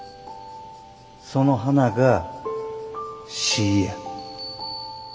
その花が詩ぃや。